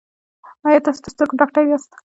ایا تاسو د سترګو ډاکټر یاست؟